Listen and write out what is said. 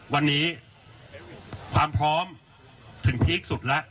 วันนี้ความพร้อมถึงพีคสุดแล้ว